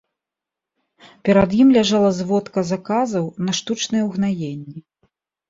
Перад ім ляжала зводка заказаў на штучныя ўгнаенні.